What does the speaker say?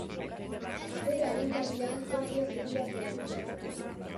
Bere agintaldian Guardia Zibila sortu zen.